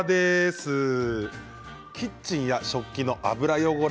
キッチンや食器の油汚れ